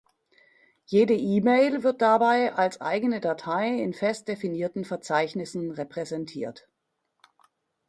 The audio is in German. Jede E-Mail wird dabei als eigene Datei in fest definierten Verzeichnissen repräsentiert.